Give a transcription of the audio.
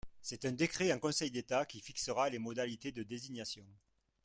C’est un décret en Conseil d’État qui fixera les modalités de désignation.